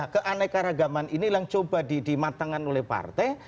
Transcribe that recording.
keaneka ragaman ini yang coba dimatangkan oleh partai